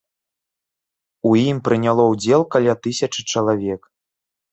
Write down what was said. У ім прыняло удзел каля тысячы чалавек.